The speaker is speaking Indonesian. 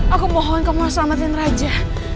aku mohon kamu selamatin raja